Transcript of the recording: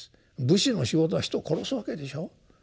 武士の仕事は人を殺すわけでしょう。